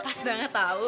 pas banget tau